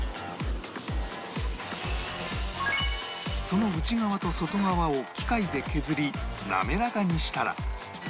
その内側と外側を機械で削り滑らかにしたら